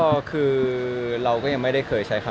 ลงมาลงได้หรือเปล่าคุณเขียวผมได้รูปก่อนลงได้หรือเปล่า